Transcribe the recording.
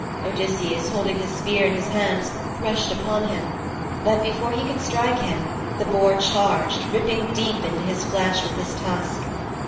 Odysseus, holding his spear in his hands, rushed upon him. But before he could strike him, the boar charged, ripping deep into his flesh with his tusk.